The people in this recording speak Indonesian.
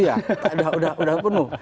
iya sudah penuh